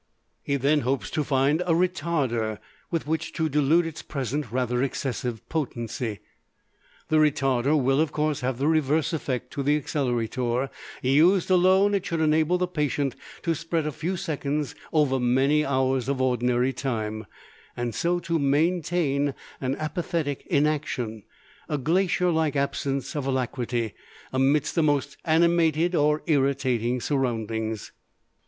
He then hopes to find a Retarder with which to dilute its present rather excessive potency. The Retarder will, of course, have the reverse effect to the Accelerator; used alone it should enable the patient to spread a few seconds over many hours of ordinary time, and so to maintain an apathetic inaction, a glacier like absence of alacrity, amidst the most animated or irritating surroundings.